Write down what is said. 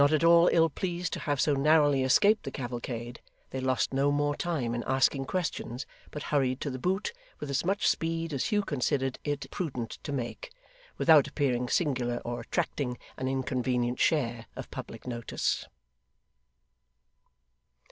Not at all ill pleased to have so narrowly escaped the cavalcade, they lost no more time in asking questions, but hurried to The Boot with as much speed as Hugh considered it prudent to make, without appearing singular or attracting an inconvenient share of public notice.